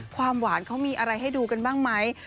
ความหวานเขามีอะไรให้ดูกันบ้างไหม